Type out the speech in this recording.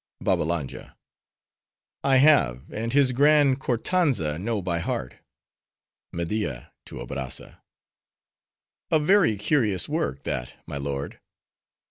BABBALANJA—I have; and his grand Kortanza know by heart. MEDIA (to Abrazza.)—A very curious work, that, my lord.